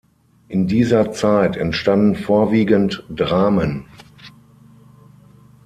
In dieser Zeit entstanden vorwiegend Dramen.